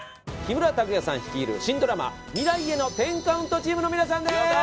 木村拓哉さん率いる新ドラマ『未来への１０カウント』チームの皆さんです。